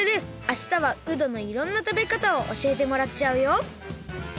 明日はうどのいろんなたべかたをおしえてもらっちゃうよ！